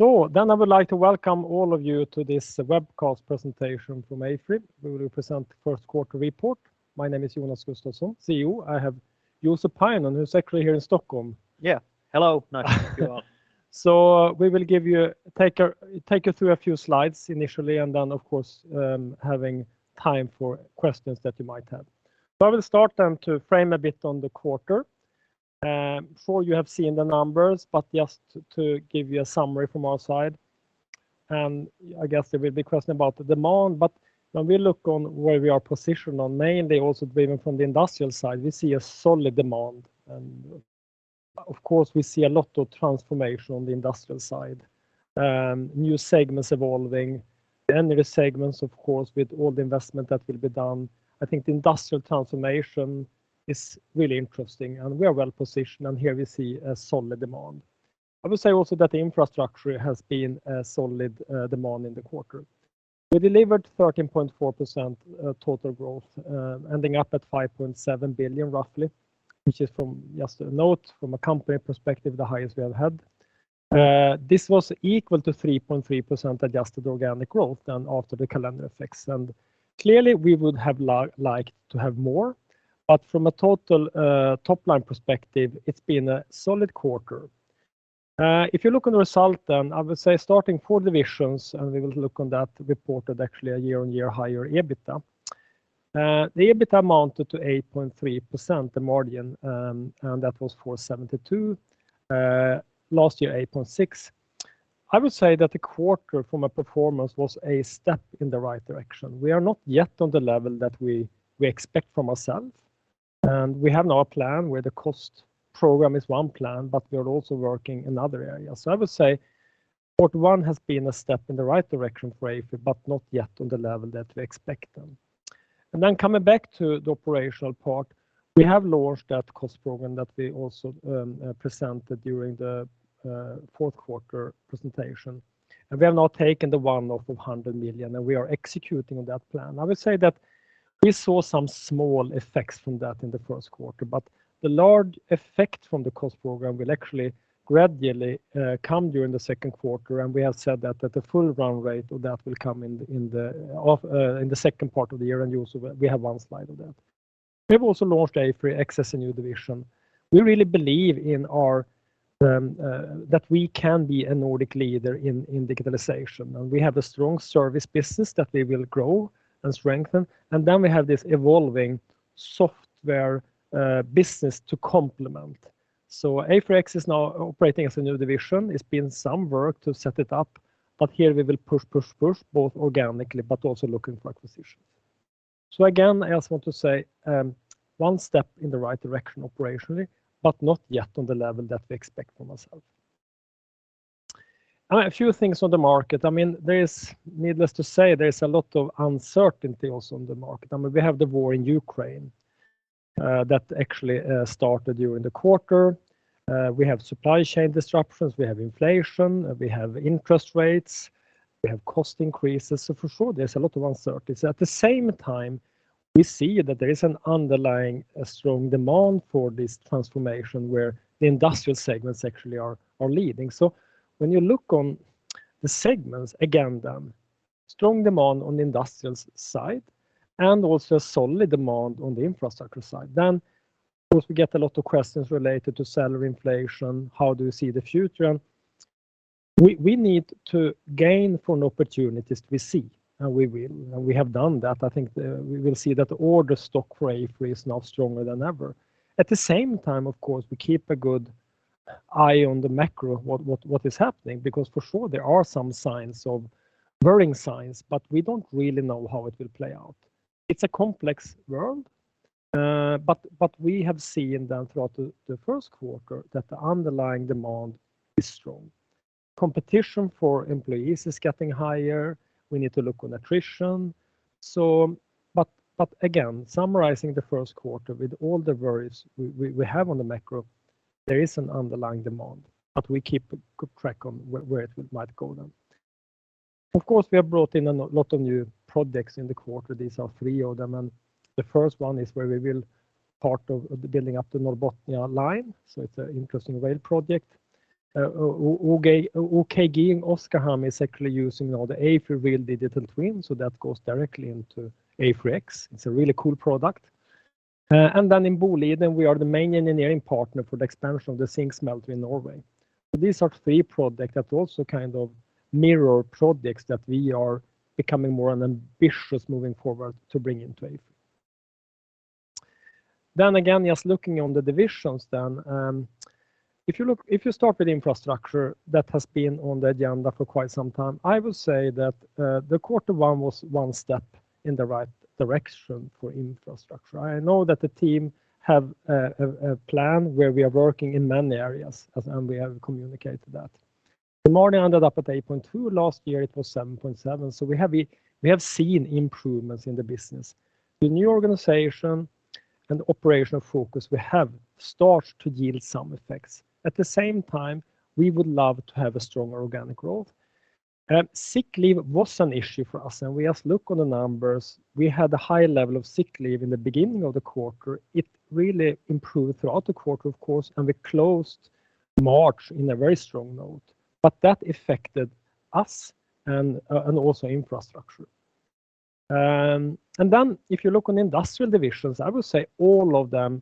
I would like to welcome all of you to this webcast presentation from AFRY. We will present the first quarter report. My name is Jonas Gustavsson, CEO. I have Juuso Pajunen, who's actually here in Stockholm. Yeah. Hello. Nice to meet you all. We will take you through a few slides initially, and then of course having time for questions that you might have. I will start then to frame a bit on the quarter. You have seen the numbers, but just to give you a summary from our side, and I guess there will be questions about the demand. When we look at where we are positioned in the main, but also even from the industrial side, we see a solid demand, and of course we see a lot of transformation on the industrial side, new segments evolving. There are segments, of course, with all the investment that will be done. I think the industrial transformation is really interesting, and we are well-positioned, and here we see a solid demand. I would say also that the Infrastructure has been a solid demand in the quarter. We delivered 13.4% total growth, ending up at 5.7 billion, roughly, which is just a note from a company perspective, the highest we have had. This was equal to 3.3% adjusted organic growth after the calendar effects. Clearly, we would have liked to have more, but from a total top-line perspective, it's been a solid quarter. If you look on the result then, I would say starting four divisions, and we will look on that, reported actually a year-on-year higher EBITDA. The EBITDA amounted to 8.3% the margin and that was 472 million, last year 8.6%. I would say that the quarter from a performance was a step in the right direction. We are not yet on the level that we expect from ourselves, and we have now a plan where the cost program is one plan, but we are also working in other areas. I would say quarter one has been a step in the right direction for AFRY, but not yet on the level that we expect them. Coming back to the operational part, we have launched that cost program that we also presented during the fourth quarter presentation. We have now taken 100 million, and we are executing on that plan. I would say that we saw some small effects from that in the first quarter, but the large effect from the cost program will actually gradually come during the second quarter, and we have said that the full run rate of that will come in the second part of the year. We have one slide on that. We have also launched AFRY X, a new division. We really believe in our that we can be a Nordic leader in digitalization. We have a strong service business that we will grow and strengthen. We have this evolving software business to complement. AFRY X is now operating as a new division. It's been some work to set it up, but here we will push, push, push both organically, but also looking for acquisitions. Again, I also want to say, one step in the right direction operationally, but not yet on the level that we expect from ourself. A few things on the market. I mean, needless to say, there's a lot of uncertainty also on the market. I mean, we have the war in Ukraine, that actually started during the quarter. We have supply chain disruptions. We have inflation. We have interest rates. We have cost increases. For sure, there's a lot of uncertainties. At the same time, we see that there is an underlying strong demand for this transformation where the industrial segments actually are leading. When you look on the segments, again, then, strong demand on the industrial side and also solid demand on the infrastructure side. Of course, we get a lot of questions related to salary inflation. How do you see the future? We need to gain from opportunities we see, and we will. We have done that. I think we will see that order stock for AFRY is now stronger than ever. At the same time, of course, we keep a good eye on the macro, what is happening because for sure, there are some worrying signs, but we don't really know how it will play out. It's a complex world, but we have seen then throughout the first quarter that the underlying demand is strong. Competition for employees is getting higher. We need to look on attrition. But again, summarizing the first quarter with all the worries we have on the macro, there is an underlying demand, but we keep a good track on where it might go then. Of course, we have brought in a lot of new projects in the quarter. These are three of them, and the first one is where we will be part of building up the Norrbotnia Line. It's an interesting rail project. OKG in Oskarshamn are actually using the AFRY Real Digital Twin, so that goes directly into AFRY X. It's a really cool product. And then in Boliden, we are the main engineering partner for the expansion of the zinc smelter in Norway. These are three projects that also kind of mirror projects that we are becoming more ambitious moving forward to bring into AFRY. Just looking on the divisions, if you start with Infrastructure, that has been on the agenda for quite some time. I would say that, the quarter one was one step in the right direction for Infrastructure. I know that the team have a plan where we are working in many areas, and we have communicated that. The margin ended up at 8.2%. Last year, it was 7.7%. We have seen improvements in the business. The new organization and operational focus we have start to yield some effects. At the same time, we would love to have a stronger organic growth. Sick leave was an issue for us, and we just look on the numbers. We had a high level of sick leave in the beginning of the quarter. It really improved throughout the quarter, of course, and we closed March in a very strong note. That affected us and also Infrastructure. If you look on industrial divisions, I would say all of them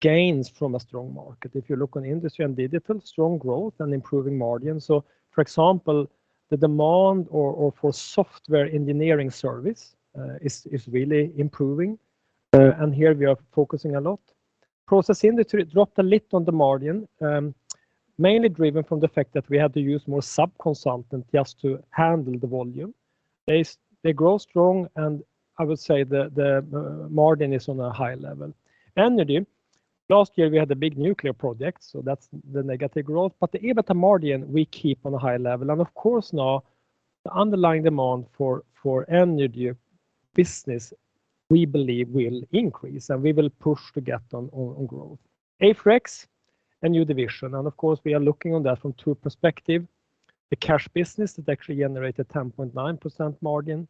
gains from a strong market. If you look on Industrial & Digital, strong growth and improving margin. For example, the demand for software engineering service is really improving. And here we are focusing a lot. Process Industries, it dropped a little on the margin, mainly driven from the fact that we had to use more sub-consultants just to handle the volume. They grow strong, and I would say the margin is on a high level. Energy, last year we had a big nuclear project, so that's the negative growth. The EBITDA margin we keep on a high level. Of course now the underlying demand for energy business we believe will increase, and we will push to get on growth. AFRY X, a new division, and of course, we are looking at that from two perspectives. The cash business that actually generated 10.9% margin.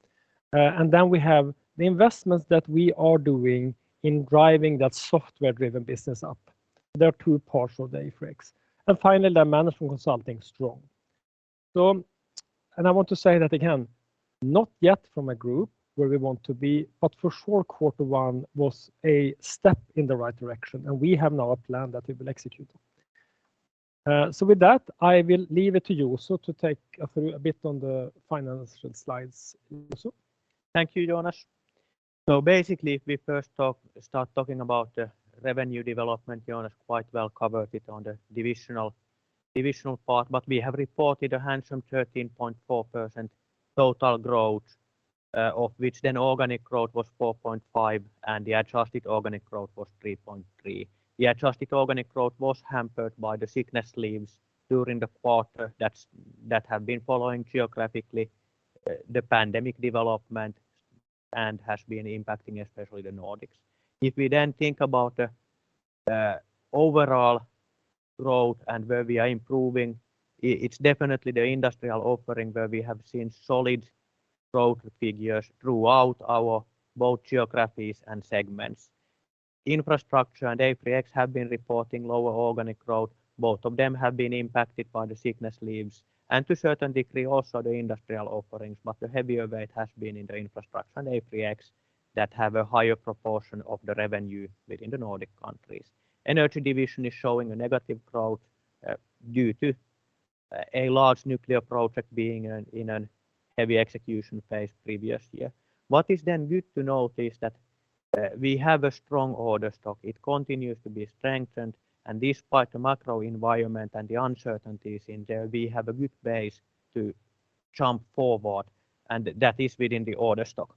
And then we have the investments that we are doing in driving that software-driven business up. There are two parts of the AFRY X. Finally, the Management Consulting strong. I want to say that again, not yet from a group where we want to be, but for sure quarter one was a step in the right direction, and we have now a plan that we will execute on. With that, I will leave it to you, Juuso, to take us through a bit on the financial slides, Juuso. Thank you, Jonas. Basically, if we start talking about the revenue development, Jonas quite well covered it on the divisional part. We have reported a handsome 13.4% total growth, of which then organic growth was 4.5%, and the adjusted organic growth was 3.3%. The adjusted organic growth was hampered by the sickness leaves during the quarter that have been following geographically, the pandemic development and has been impacting especially the Nordics. If we then think about the overall growth and where we are improving, it's definitely the industrial offering where we have seen solid growth figures throughout our both geographies and segments. Infrastructure and AFRY X have been reporting lower organic growth. Both of them have been impacted by the sickness leaves, and to certain degree also the industrial offerings. The heavier weight has been in the Infrastructure and AFRY X that have a higher proportion of the revenue within the Nordic countries. Energy Division is showing a negative growth due to a large nuclear project being in a heavy execution phase previous year. What is then good to note is that we have a strong order stock. It continues to be strengthened, and despite the macro environment and the uncertainties in there, we have a good base to jump forward, and that is within the order stock.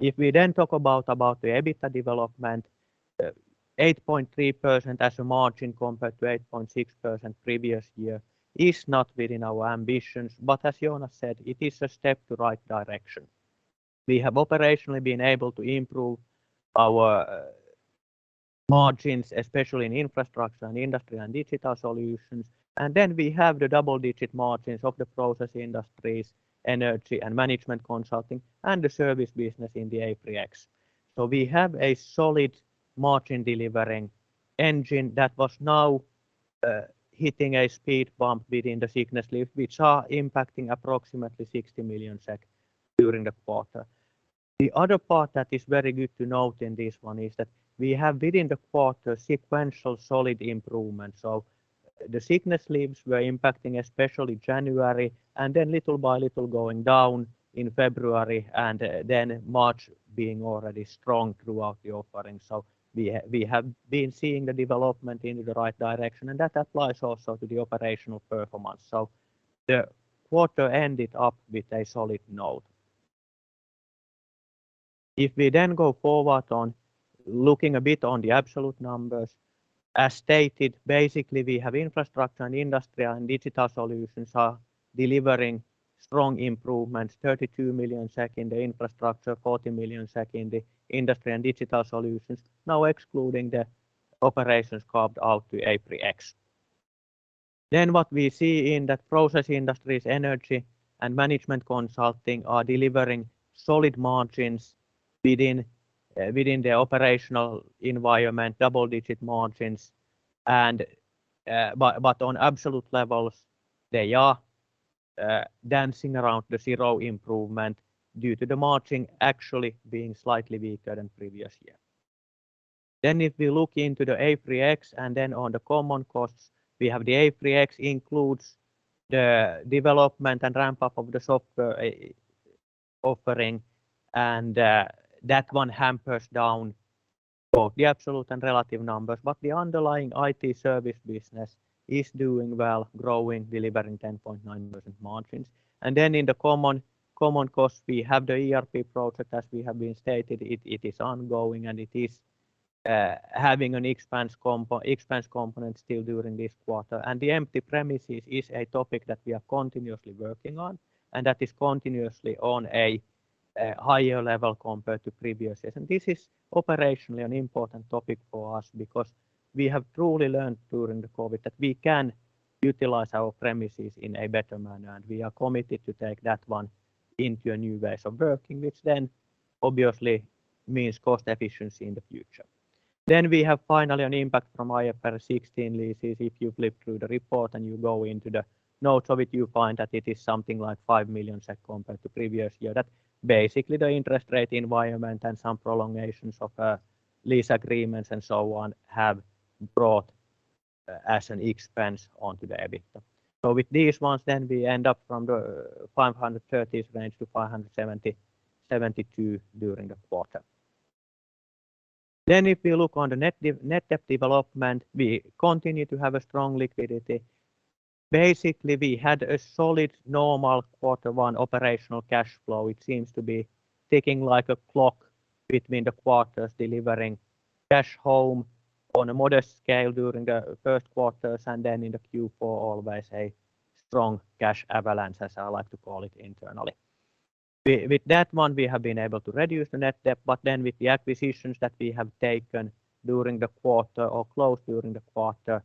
If we then talk about the EBITDA development, 8.3% as a margin compared to 8.6% previous year is not within our ambitions. As Jonas said, it is a step to right direction. We have operationally been able to improve our margins, especially in Infrastructure and Industrial & Digital Solutions. We have the double-digit margins of the Process Industries, Energy and Management Consulting, and the service business in the AFRY X. We have a solid margin-delivering engine that was now hitting a speed bump within the sickness leave, which are impacting approximately 60 million SEK during the quarter. The other part that is very good to note in this one is that we have within the quarter sequential solid improvements. The sickness leaves were impacting especially January, and then little by little going down in February, and then March being already strong throughout the offering. We have been seeing the development in the right direction, and that applies also to the operational performance. The quarter ended up with a solid note. If we go forward on looking a bit on the absolute numbers, as stated, basically we have Infrastructure and Industrial & Digital Solutions delivering strong improvements, 32 million in the Infrastructure, 40 million in the Industrial & Digital Solutions, now excluding the operations carved out to AFRY X. What we see in the Process Industries, Energy and Management Consulting are delivering solid margins within the operational environment, double-digit margins. But on absolute levels, they are dancing around the zero improvement due to the margin actually being slightly weaker than previous year. If we look into the AFRY X and then on the common costs, we have the AFRY X includes the development and ramp-up of the software offering, and that one hampers down both the absolute and relative numbers. The underlying IT service business is doing well, growing, delivering 10.9% margins. In the common costs, we have the ERP project, as we have stated, it is ongoing, and it is having an expense component still during this quarter. The empty premises is a topic that we are continuously working on, and that is continuously on a higher level compared to previous years. This is operationally an important topic for us because we have truly learned during the COVID that we can utilize our premises in a better manner, and we are committed to take that one into new ways of working, which then obviously means cost efficiency in the future. We have finally an impact from IFRS 16-leases. If you flip through the report and you go into the notes of it, you find that it is something like 5 million SEK compared to previous year. That basically the interest rate environment and some prolongations of lease agreements and so on have brought as an expense onto the EBITDA. With these ones we end up from the 530s range to 572 during the quarter. If we look on the net debt development, we continue to have a strong liquidity. Basically, we had a solid normal quarter one operational cash flow. It seems to be ticking like a clock between the quarters delivering cash home on a modest scale during the first quarters, and then in the Q4 always a strong cash avalanche, as I like to call it internally. With that one we have been able to reduce the net debt, but then with the acquisitions that we have taken during the quarter or closed during the quarter,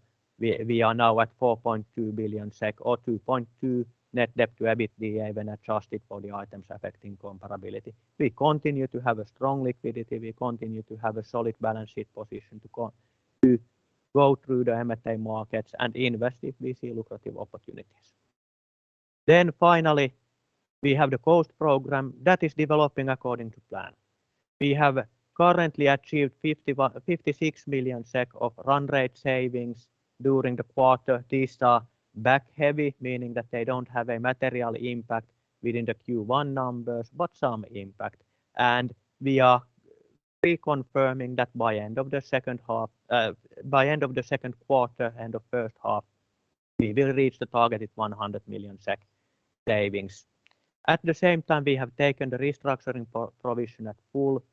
we are now at 4.2 billion SEK or 2.2 net debt to EBITDA even adjusted for the items affecting comparability. We continue to have a strong liquidity. We continue to have a solid balance sheet position to go through the M&A markets and invest if we see lucrative opportunities. Finally, we have the cost program that is developing according to plan. We have currently achieved 56 million SEK of run rate savings during the quarter. These are back heavy, meaning that they don't have a material impact within the Q1 numbers, but some impact. We are reconfirming that by end of the second half, by end of the second quarter, end of first half, we will reach the targeted 100 million SEK savings. At the same time, we have taken the restructuring provision at full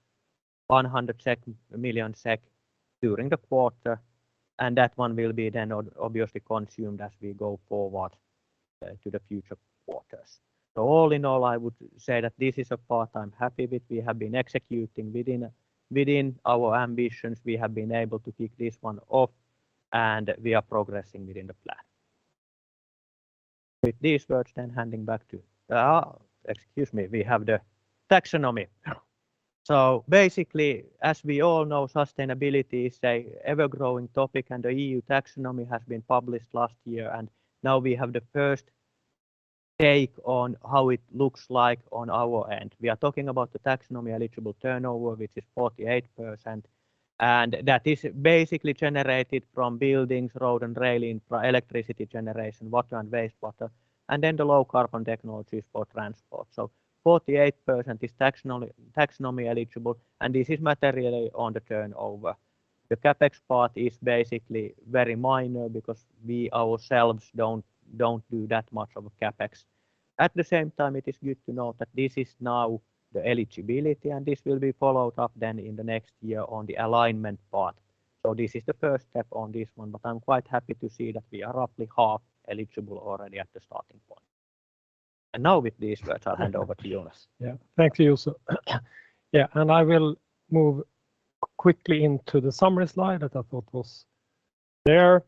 100 million SEK during the quarter, and that one will be then obviously consumed as we go forward, to the future quarters. All in all, I would say that this is a part I'm happy with. We have been executing within our ambitions. We have been able to kick this one off, and we are progressing within the plan. With these words then handing back to. Oh, excuse me, we have the taxonomy. Basically, as we all know, sustainability is an ever-growing topic, and the EU taxonomy has been published last year, and now we have the first take on how it looks like on our end. We are talking about the taxonomy eligible turnover, which is 48%, and that is basically generated from buildings, road, and rail infra, electricity generation, water, and wastewater, and then the low carbon technologies for transport. 48% is taxonomy eligible, and this is materially on the turnover. The CapEx part is basically very minor because we ourselves don't do that much of a CapEx. At the same time, it is good to note that this is now the eligibility, and this will be followed up then in the next year on the alignment part. This is the first step on this one, but I'm quite happy to see that we are roughly half eligible already at the starting point. Now with these words, I'll hand over to Jonas. Yeah. Thank you, Juuso. I will move quickly into the summary slide that I thought was there.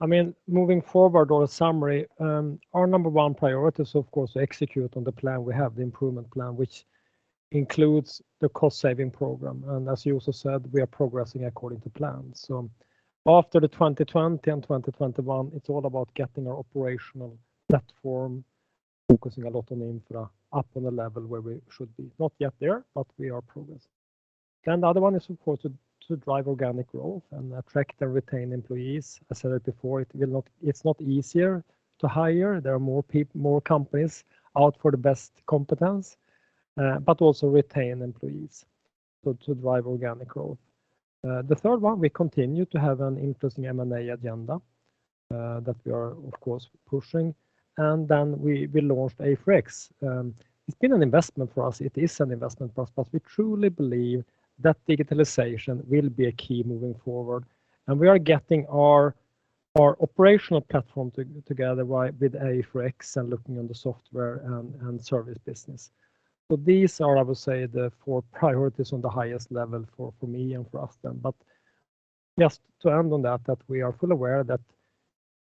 I mean, moving forward on a summary, our number one priority is of course to execute on the plan. We have the improvement plan, which includes the cost saving program. As Juuso said, we are progressing according to plan. After the 2020 and 2021, it's all about getting our operational platform, focusing a lot on infra up on the level where we should be. Not yet there, but we are progressing. The other one is of course to drive organic growth and attract and retain employees. I said it before, it will not. It's not easier to hire. There are more companies out for the best competence, but also retain employees. To drive organic growth. The third one, we continue to have an interesting M&A agenda that we are of course pushing. Then we launched AFRY X. It is an investment for us, but we truly believe that digitalization will be a key moving forward. We are getting our operational platform together with AFRY X and looking on the software and service business. These are, I would say, the four priorities on the highest level for me and for us then. Just to end on that, we are fully aware that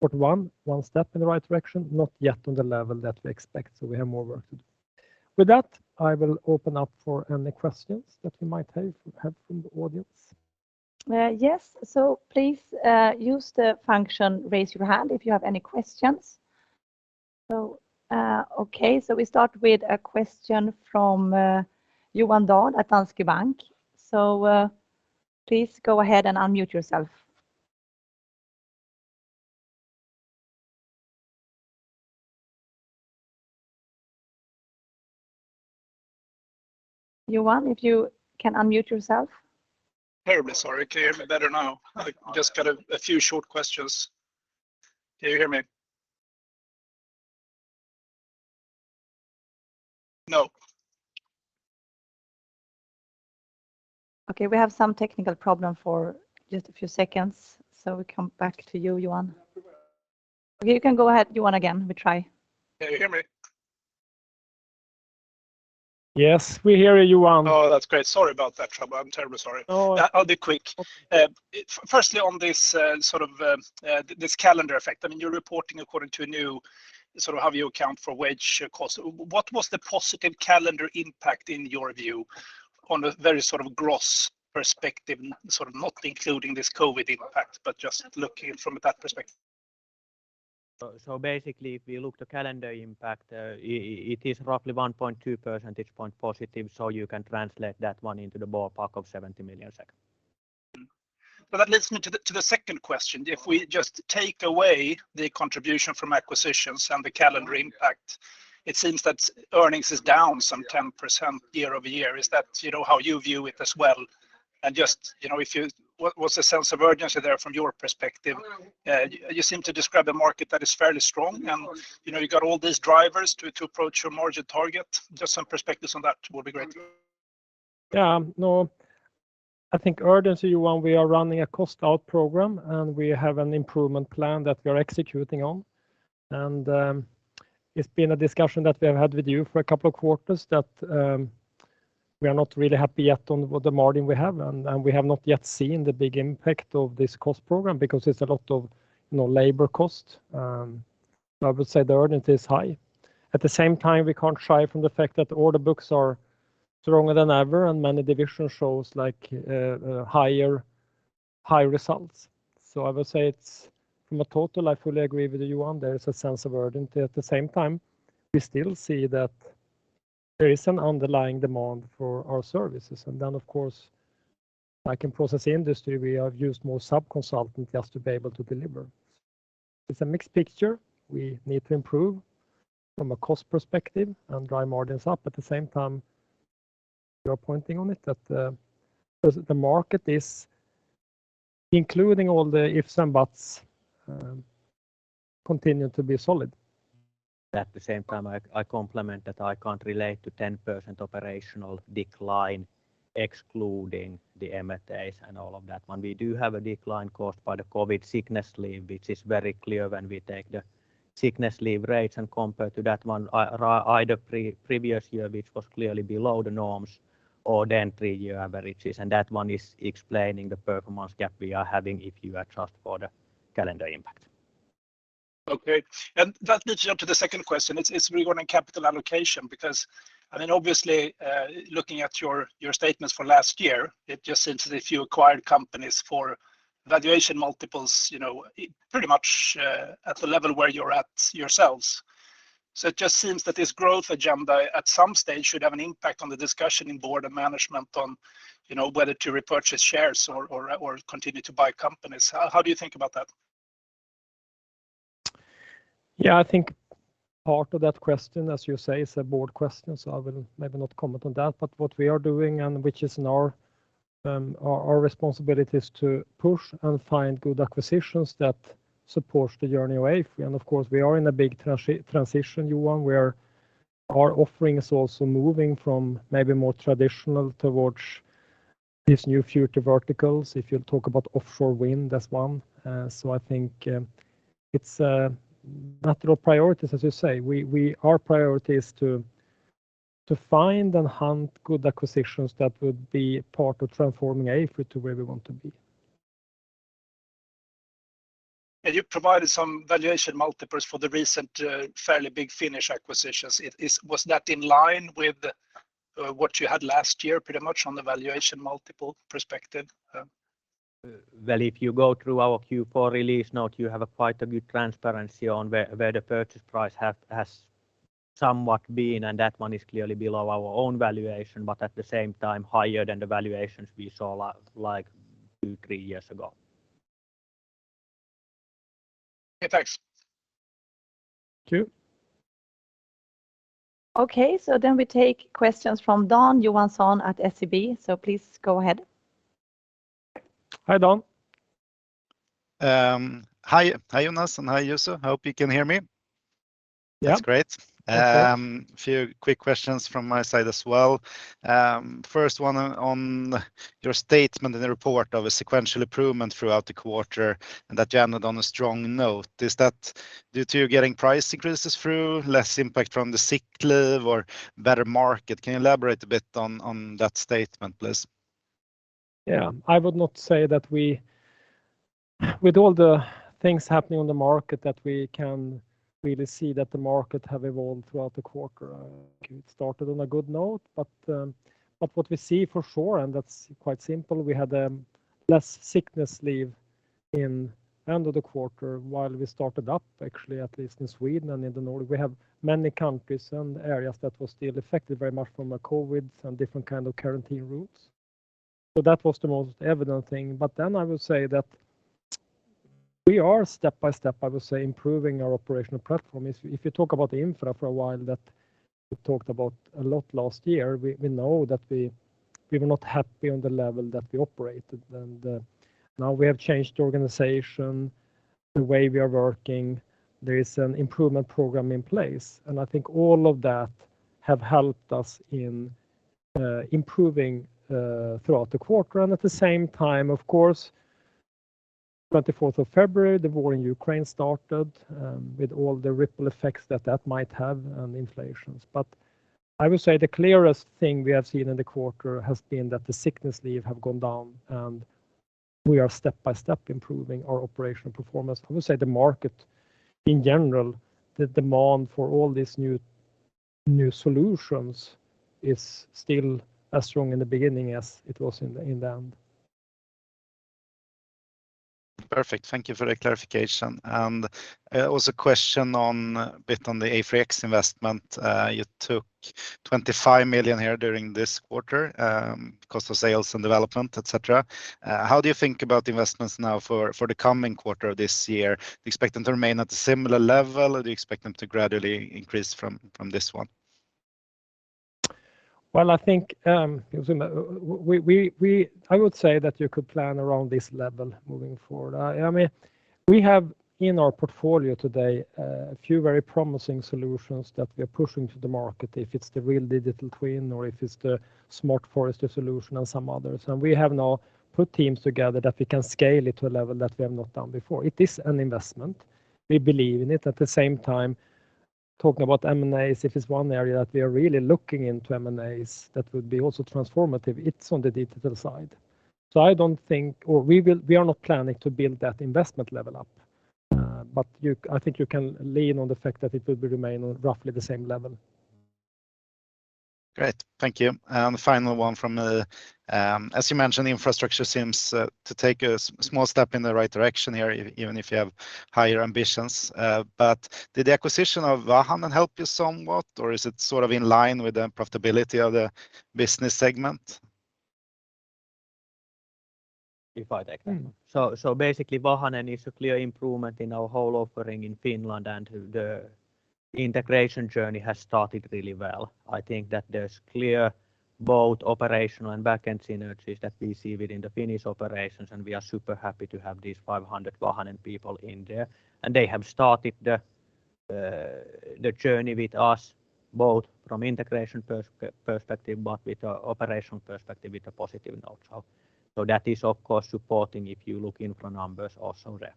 quarter one one step in the right direction, not yet on the level that we expect. We have more work to do. With that, I will open up for any questions that we might have from the audience. Please use the function to raise your hand if you have any questions. Okay. We start with a question from Johan Dahl at Danske Bank. Please go ahead and unmute yourself. Johan, if you can unmute yourself. Terribly sorry. Can you hear me better now? I just got a few short questions. Can you hear me? No. Okay, we have some technical problem for just a few seconds, so we come back to you, Johan. Okay, you can go ahead, Johan, again. We try. Can you hear me? Yes, we hear you, Johan. Oh, that's great. Sorry about that trouble. I'm terribly sorry. No. I'll be quick. Firstly, on this sort of this calendar effect. I mean, you're reporting according to a new sort of how you account for wage costs. What was the positive calendar impact in your view on a very sort of gross perspective, sort of not including this COVID impact, but just looking from that perspective? Basically, if you look at the calendar impact, it is roughly 1.2 percentage points positive, so you can translate that one into the ballpark of 70 million. That leads me to the second question. If we just take away the contribution from acquisitions and the calendar impact, it seems that earnings is down some 10% year-over-year. Is that, you know, how you view it as well? Just, you know, what's the sense of urgency there from your perspective? You seem to describe a market that is fairly strong, and, you know, you got all these drivers to approach your margin target. Just some perspectives on that would be great. Yeah. No, I think, urgency, Johan. We are running a cost out program, and we have an improvement plan that we are executing on. It's been a discussion that we have had with you for a couple of quarters that we are not really happy yet with the margin we have. We have not yet seen the big impact of this cost program because it's a lot of, you know, labor cost. I would say the urgency is high. At the same time, we can't shy from the fact that order books are stronger than ever, and many divisions show like high results. I would say it's from a total. I fully agree with you, Johan. There is a sense of urgency. At the same time, we still see that there is an underlying demand for our services. Of course, like in Process Industries, we have used more sub-consultants just to be able to deliver. It's a mixed picture. We need to improve from a cost perspective and drive margins up. At the same time, you are pointing out that the market is, including all the ifs and buts, continuing to be solid. At the same time, I comment that I can't relate to 10% operational decline excluding the M&As and all of that. When we do have a decline caused by the COVID sickness leave, which is very clear when we take the sickness leave rates and compare to that one, either previous year, which was clearly below the norms or the three-year averages. That one is explaining the performance gap we are having if you adjust for the calendar impact. Okay. That leads me on to the second question. It's regarding capital allocation, because I mean, obviously, looking at your statements for last year, it just seems that if you acquired companies for valuation multiples, you know, pretty much at the level where you're at yourselves. It just seems that this growth agenda at some stage should have an impact on the discussion in board and management on, you know, whether to repurchase shares or continue to buy companies. How do you think about that? Yeah, I think part of that question, as you say, is a board question, so I will maybe not comment on that. What we are doing, and which is in our responsibility, is to push and find good acquisitions that supports the journey of AFRY. Of course, we are in a big transition, Johan, where our offering is also moving from maybe more traditional towards these new future verticals. If you talk about offshore wind, that's one. I think, it's a matter of priorities, as you say. Our priority is to find and hunt good acquisitions that would be part of transforming AFRY to where we want to be. You provided some valuation multiples for the recent fairly big Finnish acquisitions. Was that in line with what you had last year, pretty much on the valuation multiple perspective? Well, if you go through our Q4 release note, you have a quite a good transparency on where the purchase price has somewhat been, and that one is clearly below our own valuation, but at the same time higher than the valuations we saw like 2-3 years ago. Okay, thanks. Thank you. Okay, we take questions from Dan Johansson at SEB. Please go ahead. Hi, Dan. Hi, Jonas, and hi, Juuso. Hope you can hear me. Yeah. That's great. A few quick questions from my side as well. First one on your statement in the report of a sequential improvement throughout the quarter, and that you ended on a strong note. Is that due to you getting price increases through, less impact from the sick leave or better market? Can you elaborate a bit on that statement, please? Yeah. I would not say. With all the things happening on the market, that we can really see that the market have evolved throughout the quarter. It started on a good note, but what we see for sure, and that's quite simple, we had less sickness leave at the end of the quarter, while we started up actually, at least in Sweden and in the North. We have many countries and areas that were still affected very much from the COVID and different kind of quarantine rules. That was the most evident thing. I would say that we are step by step, I would say, improving our operational platform. If you talk about the infra for a while, that we talked about a lot last year, we know that we were not happy on the level that we operated. Now we have changed the organization. The way we are working, there is an improvement program in place, and I think all of that have helped us in improving throughout the quarter. At the same time, of course, 24th of February, the war in Ukraine started with all the ripple effects that that might have on inflation. I would say the clearest thing we have seen in the quarter has been that the sickness leave have gone down, and we are step-by-step improving our operational performance. I would say the market in general, the demand for all these new solutions is still as strong in the beginning as it was in the end. Perfect. Thank you for the clarification. Also a question on the AFRY X investment. You took 25 million here during this quarter, cost of sales and development, et cetera. How do you think about investments now for the coming quarter this year? Do you expect them to remain at a similar level, or do you expect them to gradually increase from this one? Well, I think I would say that you could plan around this level moving forward. I mean, we have in our portfolio today a few very promising solutions that we are pushing to the market, if it's the Real Digital Twin or if it's the Smart Forestry solution and some others. We have now put teams together that we can scale it to a level that we have not done before. It is an investment. We believe in it. At the same time, talking about M&As, if it's one area that we are really looking into M&As, that would be also transformative. It's on the digital side. We are not planning to build that investment level up. I think you can lean on the fact that it will remain on roughly the same level. Great. Thank you. The final one from, as you mentioned, Infrastructure seems to take a small step in the right direction here, even if you have higher ambitions. Did the acquisition of Vahanen help you somewhat, or is it sort of in line with the profitability of the business segment? If I take that one. Basically, Vahanen is a clear improvement in our whole offering in Finland, and the integration journey has started really well. I think that there's clear both operational and backend synergies that we see within the Finnish operations, and we are super happy to have these 500 Vahanen people in there. They have started the journey with us both from integration perspective, but with the operational perspective with a positive note. That is, of course, supporting if you look into numbers also there.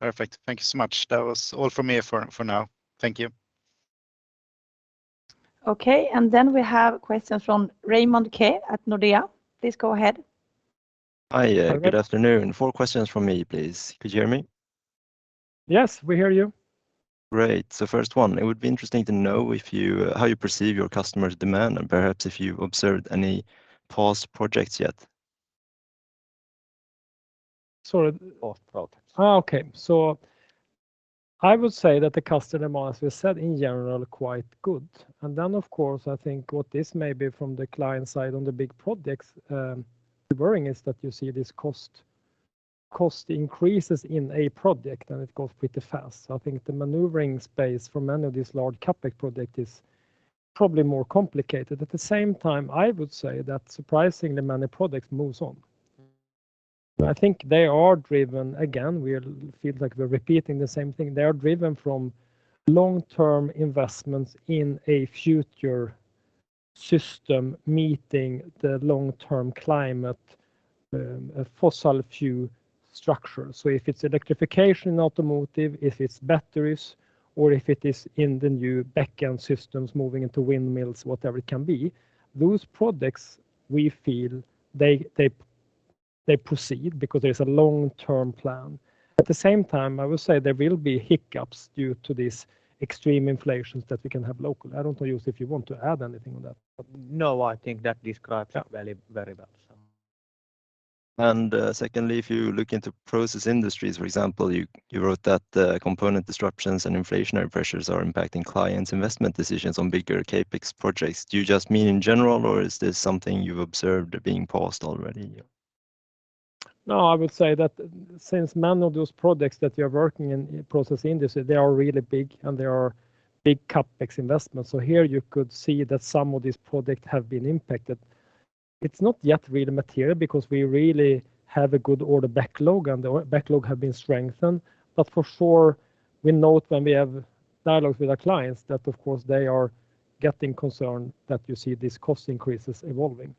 Perfect. Thank you so much. That was all from me for now. Thank you. Okay. We have a question from Raymond Ke at Nordea. Please go ahead. Hi. Good afternoon. Four questions from me, please. Could you hear me? Yes, we hear you. Great. First one, it would be interesting to know how you perceive your customers' demand and perhaps if you observed any paused projects yet? Sorry. Paused projects. Okay. I would say that the customer demand, as we said, in general, quite good. Of course, I think what this may be from the client side on the big projects, the worrying is that you see this cost increases in a project, and it goes pretty fast. I think the maneuvering space for many of these large CapEx project is probably more complicated. At the same time, I would say that surprisingly many projects moves on. I think they are driven, again, we feel like we're repeating the same thing. They are driven from long-term investments in a future system meeting the long-term climate, fossil fuel structure. If it's electrification in automotive, if it's batteries, or if it is in the new backend systems moving into windmills, whatever it can be, those projects we feel they proceed because there's a long-term plan. At the same time, I will say there will be hiccups due to this extreme inflation that we can have locally. I don't know, Juuso, if you want to add anything on that. No, I think that describes it very, very well. Secondly, if you look into Process Industries, for example, you wrote that the component disruptions and inflationary pressures are impacting clients' investment decisions on bigger CapEx projects. Do you just mean in general, or is this something you've observed being paused already? No, I would say that since many of those projects that we are working in Process Industries, they are really big, and they are big CapEx investments. Here you could see that some of these projects have been impacted. It's not yet really material because we really have a good order backlog, and the backlog have been strengthened. For sure, we note when we have dialogues with our clients that of course they are getting concerned that you see these cost increases evolving.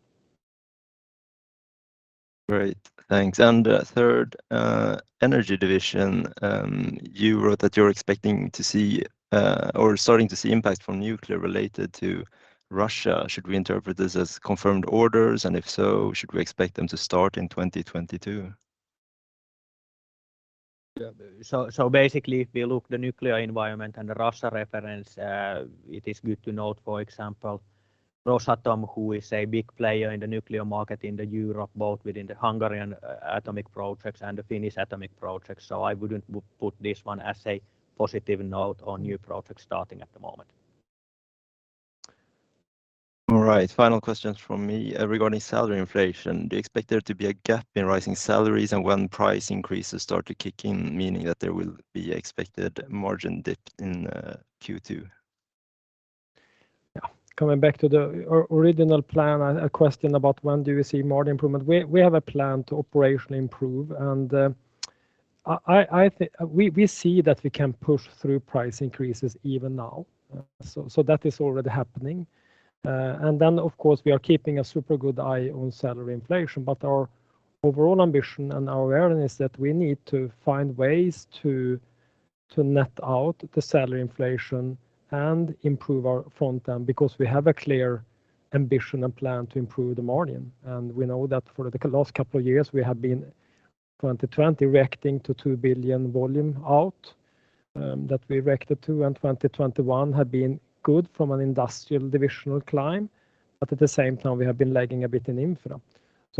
Great. Thanks. Third, Energy division, you wrote that you're expecting to see, or starting to see impact from nuclear related to Russia. Should we interpret this as confirmed orders? If so, should we expect them to start in 2022? Yeah. Basically, if we look the nuclear environment and the Russia reference, it is good to note, for example, Rosatom, who is a big player in the nuclear market in Europe, both within the Hungarian atomic projects and the Finnish atomic projects. I wouldn't put this one as a positive note on new projects starting at the moment. All right. Final questions from me regarding salary inflation. Do you expect there to be a gap in rising salaries and when price increases start to kick in, meaning that there will be expected margin dip in Q2? Yeah. Coming back to the original plan and a question about when do we see margin improvement. We have a plan to operationally improve, and we see that we can push through price increases even now. So that is already happening. And then, of course, we are keeping a super good eye on salary inflation. But our overall ambition and our awareness that we need to find ways to net out the salary inflation and improve our front end because we have a clear ambition and plan to improve the margin. We know that for the last couple of years, we have been 2020 reacting to 2 billion volume out that we reacted to, and 2021 had been good from an industrial division climb. But at the same time, we have been lagging a bit in infra.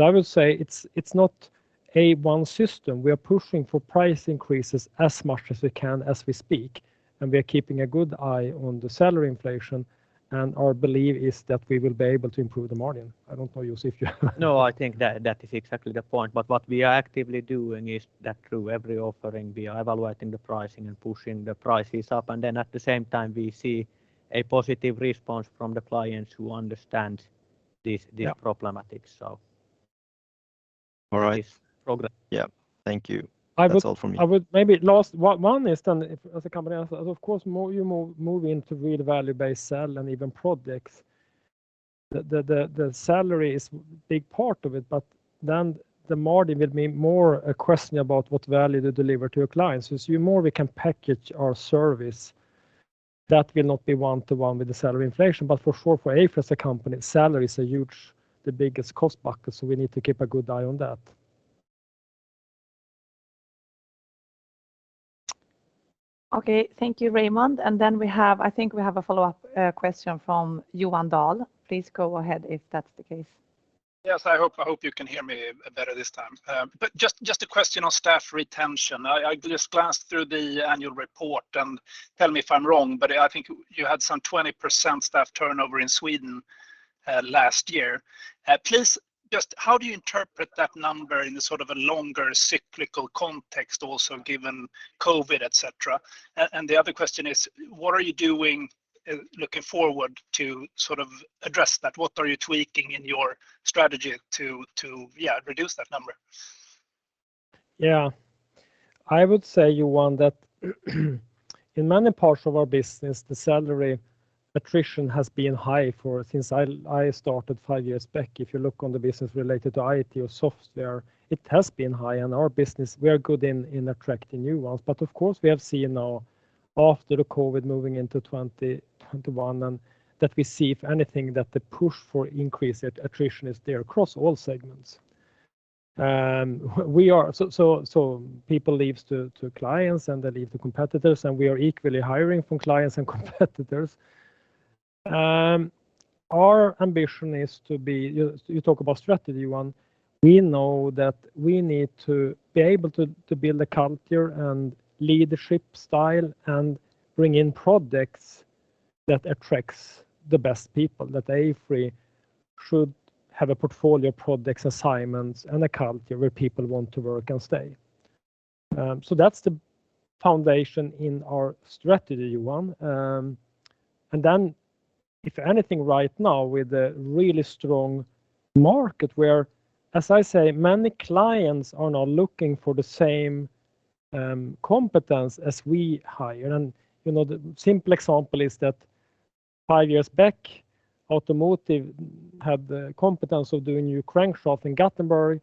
I would say it's not a one system. We are pushing for price increases as much as we can as we speak, and we are keeping a good eye on the salary inflation, and our belief is that we will be able to improve the margin. I don't know, Juuso, if you- No, I think that is exactly the point. What we are actively doing is that through every offering, we are evaluating the pricing and pushing the prices up. At the same time, we see a positive response from the clients who understand this. Yeah This problematic, so. All right. This program. Yeah. Thank you. That's all from me. I would maybe the last one is then if as a company, of course, more we move into real value-based selling and even products, the salary is big part of it, but then the margin will be more a question about what value to deliver to our clients. As we can package our service more, that will not be one to one with the salary inflation. For sure, for AFRY as a company, salary is a huge, the biggest cost bucket, so we need to keep a good eye on that. Okay. Thank you, Raymond. We have, I think we have a follow-up question from Johan Dahl. Please go ahead if that's the case. Yes. I hope you can hear me better this time. Just a question on staff retention. I just glanced through the annual report, and tell me if I'm wrong, but I think you had some 20% staff turnover in Sweden last year. Please, just how do you interpret that number in the sort of a longer cyclical context also given COVID, et cetera? The other question is: What are you doing looking forward to sort of address that? What are you tweaking in your strategy to reduce that number? Yeah. I would say, Johan, that in many parts of our business, the salary attrition has been high ever since I started five years back. If you look at the business related to IT or software, it has been high. In our business, we are good at attracting new ones. But of course, we have seen now after the COVID moving into 2021 and that we see, if anything, that the push for increase in attrition is there across all segments. People leave to clients, and they leave to competitors, and we are equally hiring from clients and competitors. Our ambition is to be. You talk about strategy, Johan. We know that we need to be able to build a culture and leadership style and bring in products that attracts the best people, that AFRY should have a portfolio of products, assignments, and a culture where people want to work and stay. That's the foundation in our strategy, Johan. If anything right now with a really strong market where, as I say, many clients are now looking for the same competence as we hire. You know, the simple example is that five years back, automotive had the competence of doing new crankshaft in Gothenburg.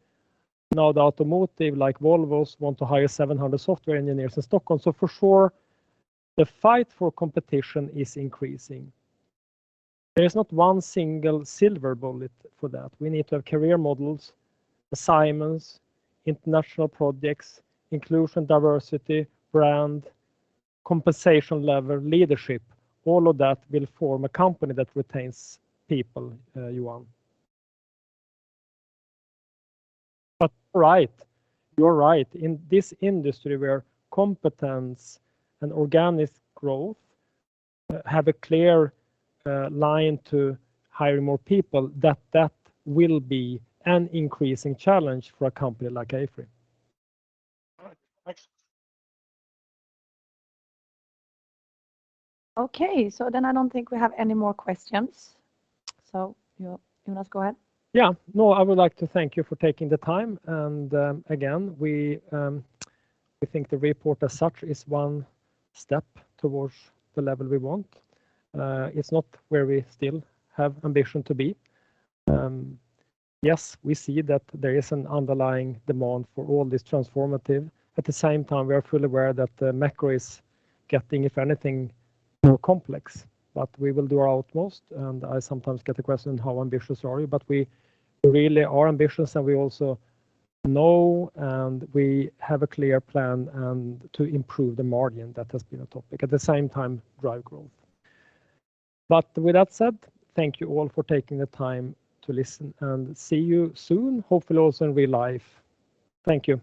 Now, the automotive, like Volvo's, want to hire 700 software engineers in Stockholm. For sure, the fight for competition is increasing. There is not one single silver bullet for that. We need to have career models, assignments, international projects, inclusion, diversity, brand, compensation level, leadership. All of that will form a company that retains people, Johan. You're right. In this industry where competence and organic growth have a clear line to hiring more people, that will be an increasing challenge for a company like AFRY. All right. Thanks. I don't think we have any more questions. Jonas, go ahead. Yeah. No, I would like to thank you for taking the time. Again, we think the report as such is one step towards the level we want. It's not where we still have ambition to be. Yes, we see that there is an underlying demand for all this transformative. At the same time, we are fully aware that the macro is getting, if anything, more complex. We will do our utmost, and I sometimes get the question, "How ambitious are you?" We really are ambitious, and we also know, and we have a clear plan, and to improve the margin that has been a topic. At the same time, drive growth. With that said, thank you all for taking the time to listen, and see you soon, hopefully also in real life. Thank you.